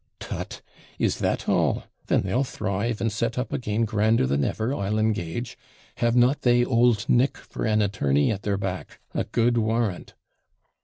'Tut! is that all? then they'll thrive, and set up again grander than ever, I'll engage; have not they old Nick for an attorney at their back? a good warrant!'